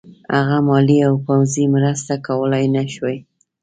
هغه مالي او پوځي مرسته کولای نه شوای.